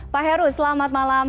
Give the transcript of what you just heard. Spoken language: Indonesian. pak heru selamat malam